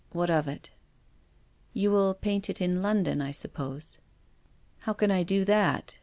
What of it ?" "You will paint it in London, I suppose?" " How can I do that